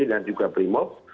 dan juga brimov